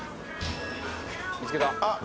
見つけた。